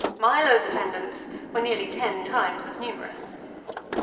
Milo's attendants were nearly ten times as numerous.